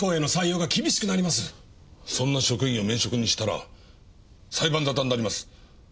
そんな職員を免職にしたら裁判沙汰になります。